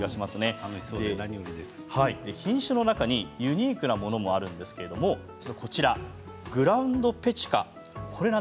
品種の中にユニークなものもあるんですがグラウンドペチカ。